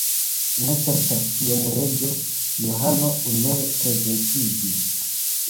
Ne certas kiam "Reĝo Johano" unue prezentiĝis.